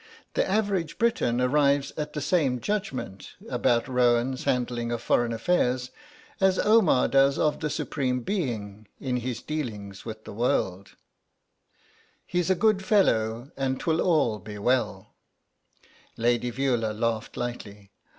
The average Briton arrives at the same judgment about Roan's handling of foreign affairs as Omar does of the Supreme Being in his dealings with the world: He's a good fellow and 'twill all be well.'" Lady Veula laughed lightly.